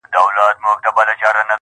o اوښ په خپلو بولو کي گوډېږي!